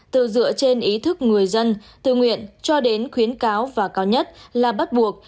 từ dựa trên ý thức người dân tự nguyện cho đến khuyến cáo và cao nhất là bắt buộc